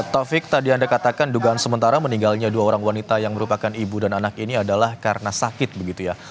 taufik tadi anda katakan dugaan sementara meninggalnya dua orang wanita yang merupakan ibu dan anak ini adalah karena sakit begitu ya